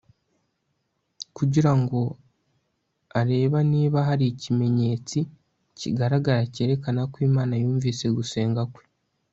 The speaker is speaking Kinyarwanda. kugira ngo areba niba hari ikimenyetsi kigaragara cyerekana ko Imana yumvise gusenga kwe